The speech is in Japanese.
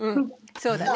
そうだね。